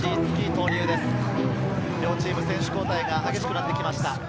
両チーム、選手交代が激しくなってきました。